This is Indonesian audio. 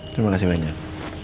terima kasih banyak